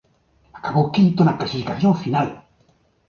Acabou quinto na clasificación final.